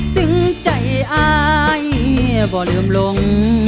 ซึ่งใจอายไม่ลืมลง